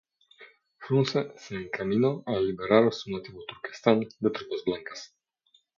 Frunze se encaminó a liberar su nativo Turkestán de tropas blancas.